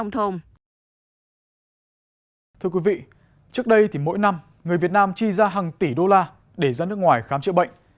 thưa quý vị trước đây thì mỗi năm người việt nam chi ra hàng tỷ đô la để ra nước ngoài khám chữa bệnh